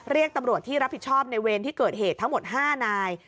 เรียกตำรวจที่รับผิดชอบในเวรที่เกิดเหตุทั้งหมด๕นาย